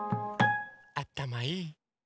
あたまいい！